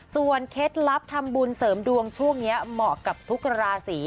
เคล็ดลับทำบุญเสริมดวงช่วงนี้เหมาะกับทุกราศี